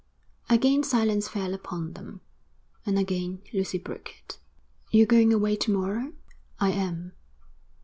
Again silence fell upon them, and again Lucy broke it. 'You're going away to morrow?' 'I am.'